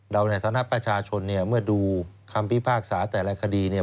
ในฐานะประชาชนเนี่ยเมื่อดูคำพิพากษาแต่ละคดีเนี่ย